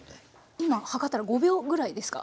今計ったら５秒ぐらいですか。